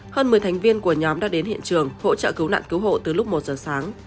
hơn một mươi thành viên của nhóm đã đến hiện trường hỗ trợ cứu nạn cứu hộ từ lúc một giờ sáng